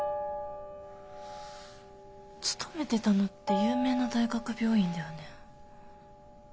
勤めてたのって有名な大学病院だよね？